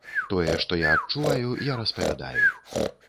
Тое, што я адчуваю, я распавядаю.